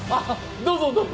どうぞどうぞ。